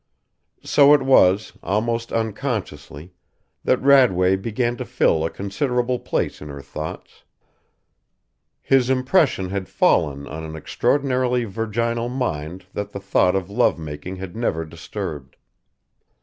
So it was, almost unconsciously, that Radway began to fill a considerable place in her thoughts. His impression had fallen on an extraordinarily virginal mind that the thought of love making had never disturbed.